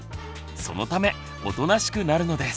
そのためおとなしくなるのです。